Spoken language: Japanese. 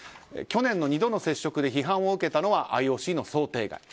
去年の２度の接触で批判を受けたのはＩＯＣの想定外。